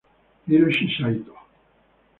Hiroshi Saito